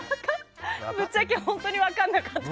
ぶっちゃけ本当に分かんなかった。